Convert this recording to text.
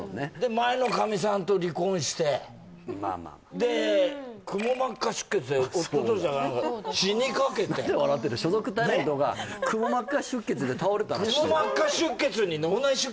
前のかみさんと離婚してまあまあまあでくも膜下出血でおととしなんか死にかけて何で笑ってんだ所属タレントがくも膜下出血で倒れたりしてるごめんねへえ・